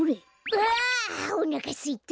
あおなかすいた！